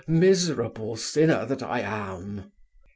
miserable sinner that I am!